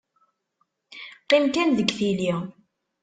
Qqim kan deg tili.